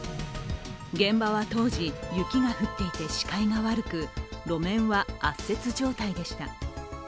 現場と当時、雪が降っていて視界が悪く、路面は圧雪状態でした。